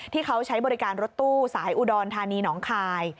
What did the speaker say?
ที่เขาใช้บริการรถตู้สายอุดรธานีหนองคาย